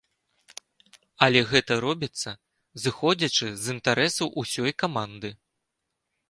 Але гэта робіцца, зыходзячы з інтарэсаў усёй каманды.